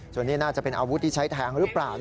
ส่วนนี้น่าจะเป็นอาวุธที่ใช้แทงหรือเปล่า